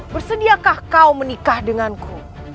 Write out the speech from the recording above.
bersediakah kau menikah denganku